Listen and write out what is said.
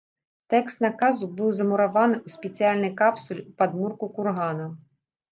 Тэкст наказу быў замураваны ў спецыяльнай капсуле ў падмурку кургана.